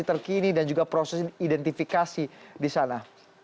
terkini dan juga proses identifikasi di sana